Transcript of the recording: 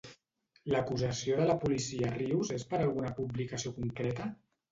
L'acusació de la policia a Rius és per alguna publicació concreta?